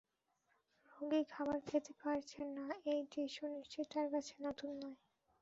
রোগী খাবার খেতে পারছে না এই দৃশ্য নিশ্চয়ই তার কাছে নতুন নয়।